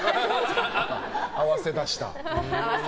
合わせ出した。